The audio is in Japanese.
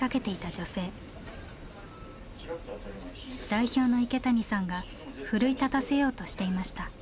代表の池谷さんが奮い立たせようとしていました。